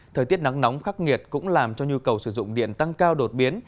thời tiết nắng nóng khắc nghiệt cũng làm cho nhu cầu sử dụng điện tăng cao đột biến